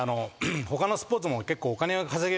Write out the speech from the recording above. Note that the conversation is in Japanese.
他のスポーツも。